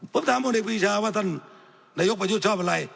ผมถามพลเอกปีชาว่าท่านนายกประยุทธ์ชอบอะไร